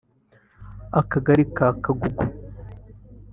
Akagali ka Kagugu